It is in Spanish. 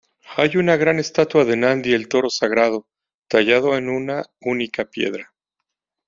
Hay una gran estatua de Nandi, el toro sagrado, tallado en una única piedra.